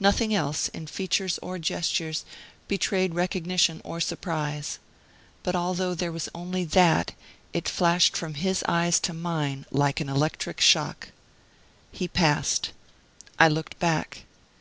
Nothing else, in features or gestures, betrayed recognition or surprise. But although there was only that, it flashed from his eyes to mine like an electric shock. He passed. I looked back.